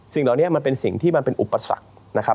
เหล่านี้มันเป็นสิ่งที่มันเป็นอุปสรรคนะครับ